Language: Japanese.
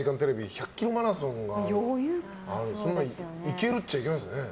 １００ｋｍマラソンがあるのでいけるっちゃいけるんですね？